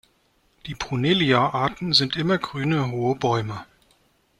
Die "Brunellia"-Arten sind immergrüne, hohe Bäume.